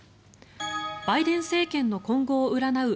バイデン政権の今後を占う